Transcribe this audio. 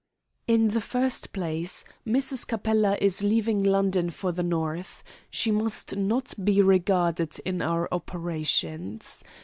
"In the first place, Mrs. Capella is leaving London for the North. She must not be regarded in our operations.